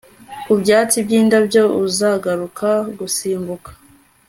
ku byatsi byindabyo uzagaruka gusimbuka